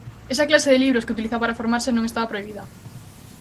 Esa clase de libros, que utiliza para formarse, non estaba prohibida.